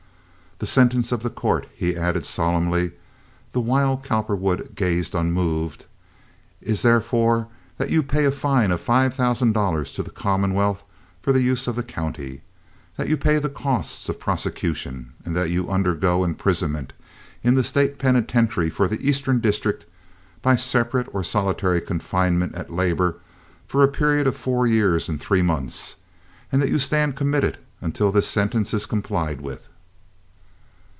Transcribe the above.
"The sentence of the court," he added, solemnly, the while Cowperwood gazed unmoved, "is, therefore, that you pay a fine of five thousand dollars to the commonwealth for the use of the county, that you pay the costs of prosecution, and that you undergo imprisonment in the State Penitentiary for the Eastern District by separate or solitary confinement at labor for a period of four years and three months, and that you stand committed until this sentence is complied with."